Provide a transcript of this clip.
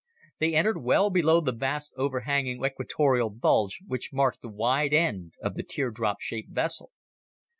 They entered well below the vast, overhanging equatorial bulge which marked the wide end of the teardrop shaped vessel.